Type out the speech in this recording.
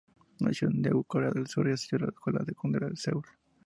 Nació en Daegu, Corea del Sur, y asistió a la escuela secundaria en Seúl.